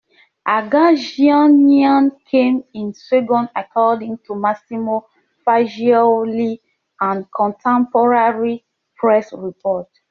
Agagianian came in second according to Massimo Faggioli and contemporary press reports.